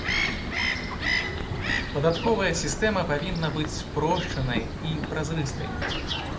Падатковая сістэма павінна быць спрошчанай і празрыстай.